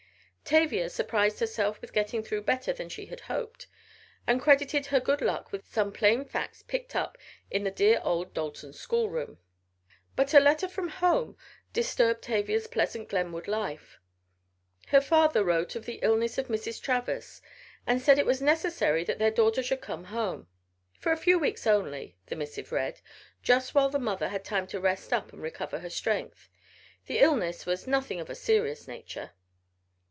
Tavia surprised herself with getting through better than she had hoped, and credited her good luck to some plain facts picked up in the dear old Dalton schoolroom. But a letter from home disturbed Tavia's pleasant Glenwood life her father wrote of the illness of Mrs. Travers and said it was necessary that their daughter should come home. For a few weeks only, the missive read, just while the mother had time to rest up and recover her strength the illness was nothing of a serious nature.